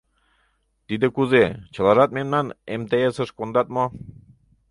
— Тиде кузе, чылажат мемнан эмтеэсыш кондат мо?